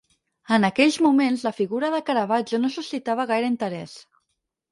En aquells moments la figura de Caravaggio no suscitava gaire interès.